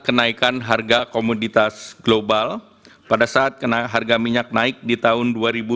kenaikan harga komoditas global pada saat harga minyak naik di tahun dua ribu dua puluh